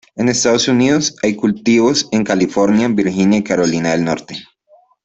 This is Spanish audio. En Estados Unidos hay cultivos en California, Virginia y Carolina del Norte.